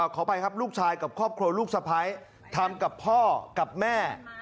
ขออภัยครับลูกชายกับครอบครัวลูกสะพ้ายทำกับพ่อกับแม่